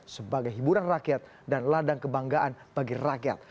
sebagai hiburan rakyat dan ladang kebanggaan bagi rakyat